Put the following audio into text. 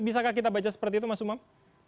bisakah kita baca seperti itu mas umam